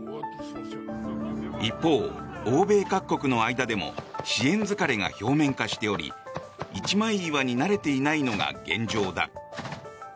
一方、欧米各国の間でも支援疲れが表面化しており一枚岩になれていないのが現状だ。